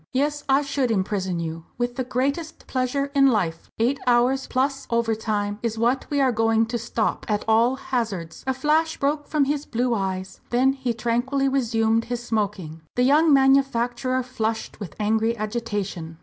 "Yes, I should imprison you, with the greatest pleasure in life. Eight hours plus overtime is what we are going to stop, at all hazards!" A flash broke from his blue eyes. Then he tranquilly resumed his smoking. The young manufacturer flushed with angry agitation.